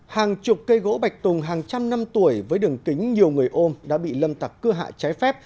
hàng chục cây gỗ bạch tùng hàng trăm năm tuổi với đường kính nhiều người ôm đã bị lâm tạc cưa hạ trái phép